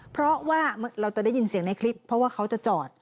เพราะว่าเราจะได้ยินเสียงในคลิปเพราะว่าเขาจะจอด